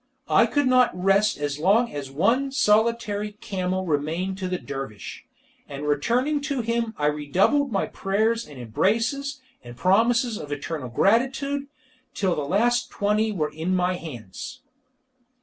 I could not rest as long as one solitary camel remained to the dervish; and returning to him I redoubled my prayers and embraces, and promises of eternal gratitude, till the last twenty were in my hands.